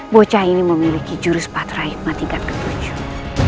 bocah ini memiliki jurus patrihikma tingkat ketujuh